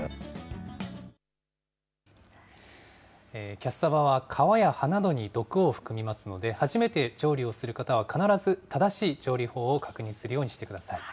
キャッサバは、皮や葉などに毒を含みますので、初めて調理をする方は、必ず正しい調理法を確認するようにしてください。